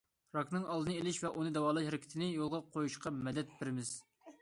راكنىڭ ئالدىنى ئېلىش ۋە ئۇنى داۋالاش ھەرىكىتىنى يولغا قويۇشقا مەدەت بېرىمىز.